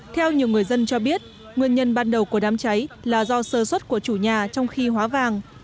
theo nhiều người dân cho biết nguyên nhân ban đầu của đám cháy là do sơ xuất của chủ nhà trong khi hóa vàng